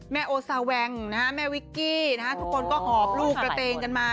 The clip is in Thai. แม่โอซาแวงนะฮะแม่วิกกี้นะฮะทุกคนก็หอบลูกกระเตงกันมา